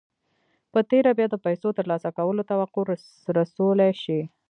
په تېره بيا د پيسو ترلاسه کولو توقع رسولای شئ.